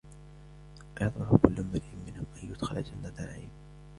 أَيَطْمَعُ كُلُّ امْرِئٍ مِّنْهُمْ أَن يُدْخَلَ جَنَّةَ نَعِيمٍ